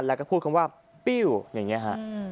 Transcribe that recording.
แล้วก็พูดคำว่าปิ้วอย่างนี้ฮะ